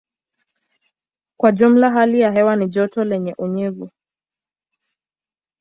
Kwa jumla hali ya hewa ni joto lenye unyevu.